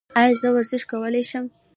ایا زه ورزش کولی شم؟